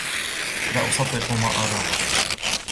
لا أصدق ما أراه.